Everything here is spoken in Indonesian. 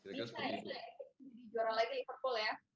di juara lagi liverpool ya